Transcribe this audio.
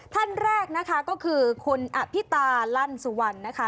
ท่านแรกนะคะก็คือคุณอภิตาลั่นสุวรรณนะคะ